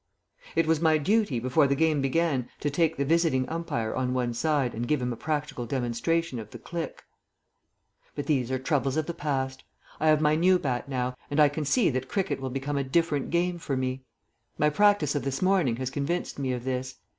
It was my duty before the game began to take the visiting umpire on one side and give him a practical demonstration of the click ... But these are troubles of the past. I have my new bat now, and I can see that cricket will become a different game for me. My practice of this morning has convinced me of this.